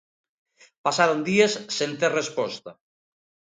Pasaron días sen ter resposta.